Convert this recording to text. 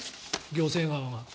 行政側が。